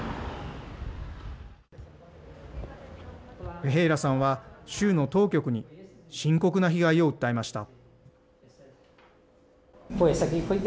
フェヘイラさんは州の当局に、深刻な被害を訴えました。